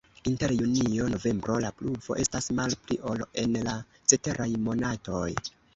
Inter junio-novembro la pluvo estas malpli, ol en la ceteraj monatoj.